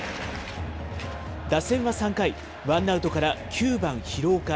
打線は３回、ワンアウトから９番廣岡。